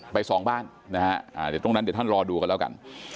สองบ้านนะฮะเดี๋ยวตรงนั้นเดี๋ยวท่านรอดูกันแล้วกัน